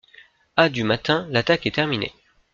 À du matin l'attaque est terminée.